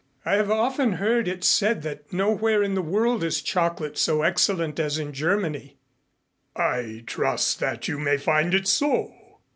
"I have often heard it said that nowhere in the world is chocolate so excellent as in Germany." "I trust that you may find it so.